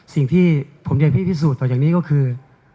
สิ่งที่ผมอยากให้พิสูจน์ต่อจากนี้ก็คือ